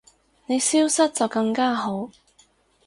你消失就更加好